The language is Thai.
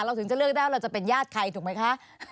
ถึงจะเลือกได้ว่าเราจะเป็นญาติใครถูกไหมคะ